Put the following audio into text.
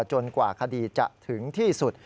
กว่าคดีจะถึงที่สุด